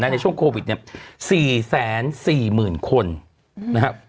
ในช่วงโควิดเนี่ย๔๔๐๐๐คนนะครับ